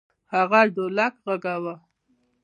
هغه ډولک غږاوه.